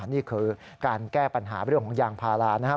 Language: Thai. นี่คือการแก้ปัญหาเรื่องของยางพารานะครับ